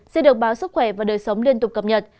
sẽ được báo sức khỏe và đời sống liên tục cập nhật